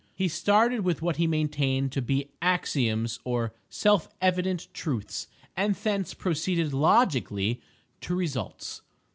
He started with what he maintained to be axioms or "self evident truths," and thence proceeded "logically" to results.